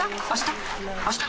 あした？